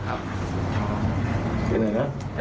เจ้าเงินไปทำอะไรครับ